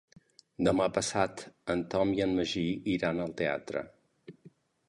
Demà passat en Tom i en Magí iran al teatre.